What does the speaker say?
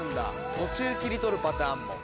途中切り取るパターンも。